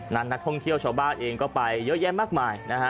นักท่องเที่ยวชาวบ้านเองก็ไปเยอะแยะมากมายนะฮะ